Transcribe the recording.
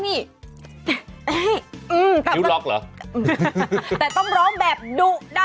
เพื่อนไปแล้วก็หนูนักร้องนำลูก